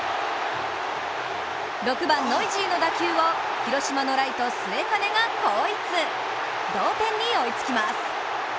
６番・ノイジーの打球を広島のライト・末包が後逸同点に追いつきます。